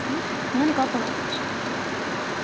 何かあったの？